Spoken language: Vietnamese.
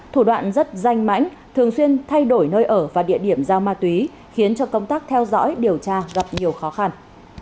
thủ đoạn rất danh mãnh thường xuyên thay đổi nơi ở và địa điểm giao ma túy khiến cho công tác theo dõi điều tra gặp nhiều khó khăn